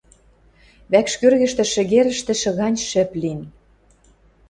Вӓкш кӧргӹштӹ шӹгерӹштӹшӹ гань шӹп лин.